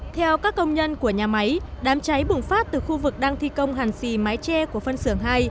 theo các công nhân của nhà máy đám cháy bùng phát từ khu vực đang thi công hàn xì mái tre của phân xưởng hai